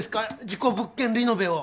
事故物件リノベを。